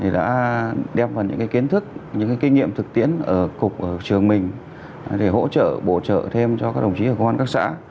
đã đem vào những kiến thức những kinh nghiệm thực tiễn ở cục trường mình để hỗ trợ bổ trợ thêm cho các đồng chí ở công an các xã